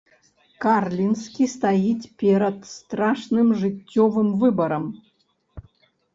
Карлінскі стаіць перад страшным жыццёвым выбарам.